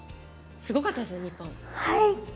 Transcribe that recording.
すごかったですね、日本。